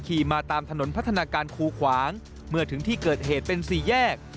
มาตามถนนพัฒนาการคูขวางเมื่อถึงที่เกิดเหตุเป็นสี่แยก